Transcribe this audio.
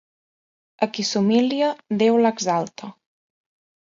A qui s'humilia, Déu l'exalta.